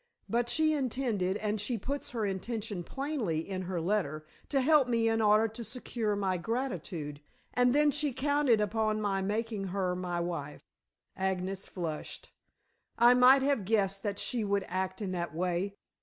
But she intended and she puts her intention plainly in her letter to help me in order to secure my gratitude, and then she counted upon my making her my wife." Agnes flushed. "I might have guessed that she would act in that way.